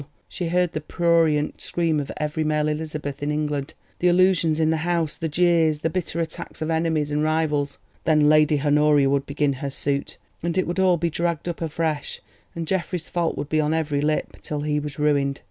She heard the prurient scream of every male Elizabeth in England; the allusions in the House—the jeers, the bitter attacks of enemies and rivals. Then Lady Honoria would begin her suit, and it would all be dragged up afresh, and Geoffrey's fault would be on every lip, till he was ruined.